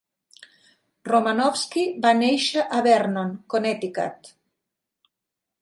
Romanowski va néixer a Vernon, Connecticut.